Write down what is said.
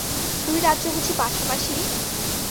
দুই রাজ্য বুঝি পাশাপাশি?